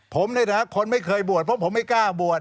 ผมนะครับคนไม่เคยปวดเพราะผมไม่กล้าปวด